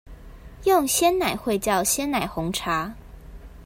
用鮮奶會叫鮮奶紅茶